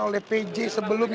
oh gitu ya